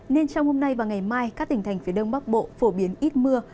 nên trong hôm nay và ngày mai các tỉnh thành phía đông bắc bộ phổ biến ít mưa